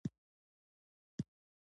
ژوندي زړونه لري